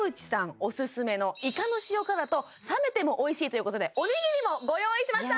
オススメのイカの塩辛と冷めてもおいしいということでおにぎりもご用意しました！